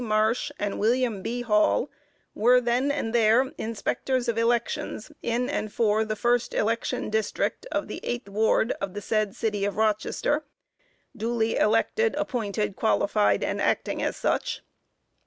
Marsh and William B. Hall, were then and there Inspectors of Elections in and for the first election District of the eight ward of said City of Rochester, duly elected, appointed, qualified and acting as such.